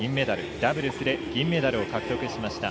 ダブルスで銀メダルを獲得しました。